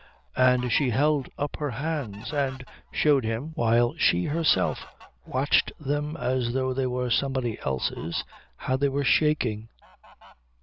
And she held up her hands and showed him, while she herself watched them as though they were somebody else's, how they were shaking.